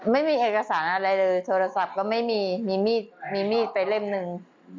ไม่มีเอกสารอะไรเลยโทรศัพท์ก็ไม่มีมีมีดมีมีดไปเล่มหนึ่ง